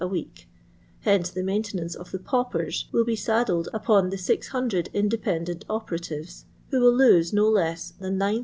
a week ; hence the maintenance of the paupers will be saddled upon the 600 independent operativei, who vrill lose no less than 9360